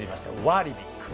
ワーリビック。